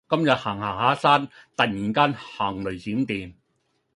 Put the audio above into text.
今日行行下山突然之間行雷閃電